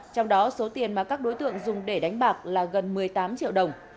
trong đó số tiền mà các đối tượng dùng để đánh bạc là gần một mươi tám triệu đồng